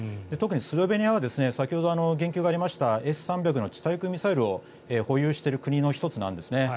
特にスロベニアは先ほど言及がありましたＳ３００の地対空ミサイルを保有している国の１つなんです。